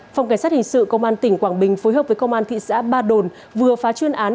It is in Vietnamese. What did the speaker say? phòng cảnh sát hình sự công an tỉnh quảng bình phối hợp với công an thị xã ba đồn vừa phá chuyên án